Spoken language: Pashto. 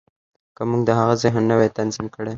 که موږ د هغه ذهن نه وای تنظيم کړی.